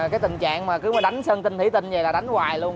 cái tình trạng mà cứ đánh sân tinh thủy tinh vậy là đánh hoài luôn